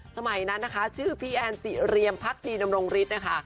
สมัยนั้นนะคะชื่อพี่แอนสิเรียมพักดีดำรงฤทธินะคะ